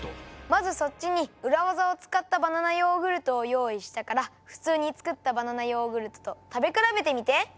まずそっちにウラ技を使ったバナナヨーグルトを用意したからふつうに作ったバナナヨーグルトと食べ比べてみて！